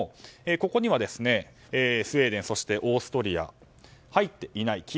ここにはスウェーデンオーストリアは入っていない。